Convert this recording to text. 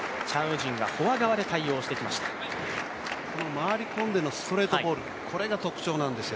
回り込んでのストレートボール、これが特徴なんですよ。